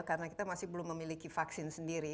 karena kita masih belum memiliki vaksin sendiri